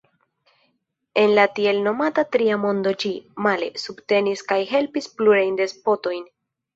En la tiel nomata tria mondo ĝi, male, subtenis kaj helpis plurajn despotojn.